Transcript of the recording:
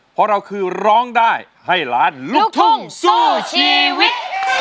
เพราะเราคือร้องได้ให้ล้านลูกทุ่งสู้ชีวิต